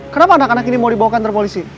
kenapa anak anak ini mau dibawakan terpolisi